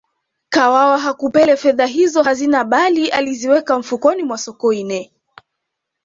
kawawa hakupele fedha hizo hazina bali aliziweka mfukoni mwa sokoine